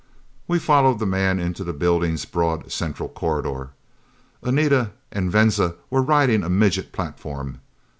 We followed the man into the building's broad central corridor. Anita and Venza were riding a midget platform!